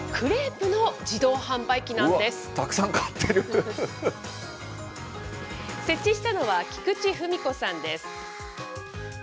うわ、設置したのは、菊池史子さんです。